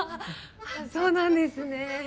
そうなんですね。